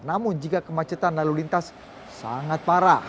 namun jika kemacetan lalu lintas sangat parah